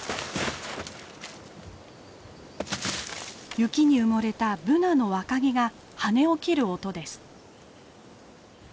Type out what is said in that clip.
雪に埋もれたブナの若木が跳ね起きる音です。